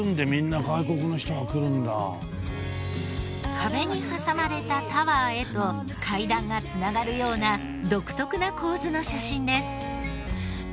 壁に挟まれたタワーへと階段が繋がるような独特な構図の写真です。